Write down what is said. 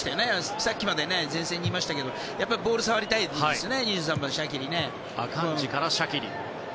さっきまで前線にいましたけどやっぱりボールに触りたいんでしょうね。